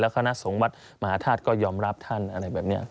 คณะสงฆ์วัดมหาธาตุก็ยอมรับท่านอะไรแบบนี้